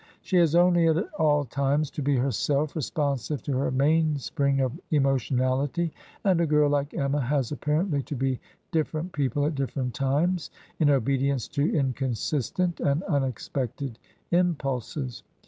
She has only at all times to be herself, responsive to her mainspring of emotionahty; and a girl like Emma has apparently to be different people at different times, in obedience to inconsistent and un* expected impulses.